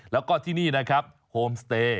แล้วก็ที่นี่นะครับโฮมสเตย์